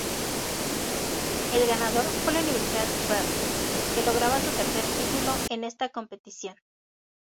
El ganador fue la Universidad Bradley, que lograba su tercer título en esta competición.